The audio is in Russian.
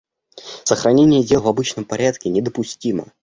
Сохранение дел в обычном порядке недопустимо.